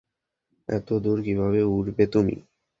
এত দূর কীভাবে উড়বে তুমি?